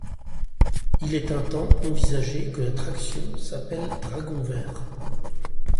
Il est un temps envisagé que l'attraction s'appelle Dragon vert.